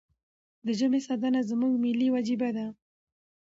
د ژبې ساتنه زموږ ملي وجیبه ده.